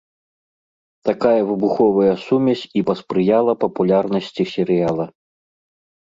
Такая выбуховая сумесь і паспрыяла папулярнасці серыяла.